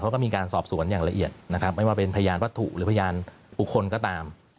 เขาก็มีการสอบสวนอย่างละเอียดนะครับไม่ว่าเป็นพยานวัตถุหรือพยานบุคคลก็ตาม